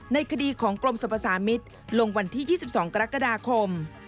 ในคดีของกรมสรรพสามิตรลงวันที่๒๒กรกฎาคม